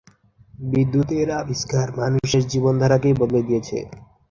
বিদ্যুতের আবিষ্কার মানুষের জীবনধারাকেই বদলে দিয়েছে।